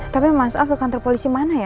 tapi mas al ke kantor polisi mana ya